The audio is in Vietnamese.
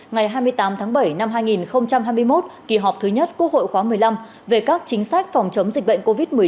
ngày hai mươi tám tháng bảy năm hai nghìn hai mươi một kỳ họp thứ nhất quốc hội khóa một mươi năm về các chính sách phòng chống dịch bệnh covid một mươi chín